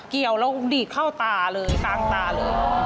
เกี่ยวแล้วดีดเข้าตาเลยกลางตาเลย